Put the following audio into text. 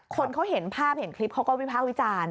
คนเขาเห็นภาพเห็นคลิปเขาก็วิภาควิจารณ์